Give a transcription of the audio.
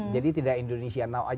jadi tidak indonesia now aja